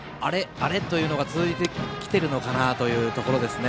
あれ？というのが続いてきているのかなというところですね。